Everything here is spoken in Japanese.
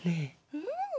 うん。